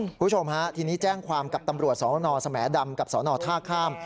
คุณผู้ชมฮะทีนี้แจ้งความกับตำรวจสนสแหมดำกับสนท่าข้าม